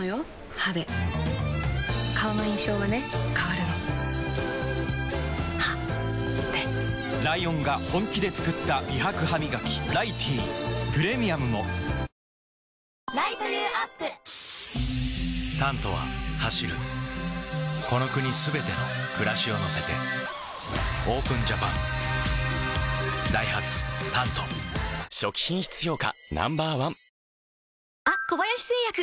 歯で顔の印象はね変わるの歯でライオンが本気で作った美白ハミガキ「ライティー」プレミアムも「タント」は走るこの国すべての暮らしを乗せてＯＰＥＮＪＡＰＡＮダイハツ「タント」初期品質評価